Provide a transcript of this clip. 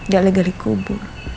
gak legal dikubur